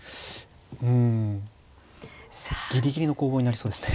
うんギリギリの攻防になりそうですね。